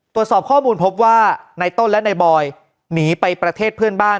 ตรวจสอบข้อมูลพบว่าในต้นและนายบอยหนีไปประเทศเพื่อนบ้าน